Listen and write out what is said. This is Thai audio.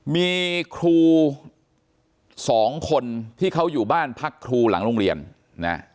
มีครูสองคนที่เขาอยู่บ้านพักครูหลังโรงเรียนนะ